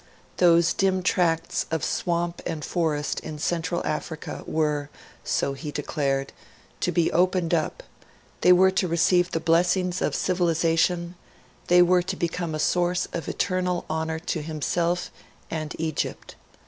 Those dim tracts of swamp and forest in Central Africa were so he declared to be 'opened up'; they were to receive the blessings of civilisation, they were to become a source of eternal honour to himself and Egypt.